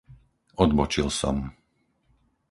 Odbočil som.